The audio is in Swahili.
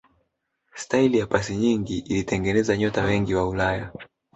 staili ya pasi nyingi ilitengeneza nyota wengi wa ulaya